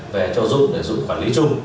về cho dụng để dụng quản lý chung